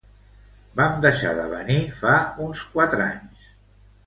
Vam deixar de venir fa uns quatre anys.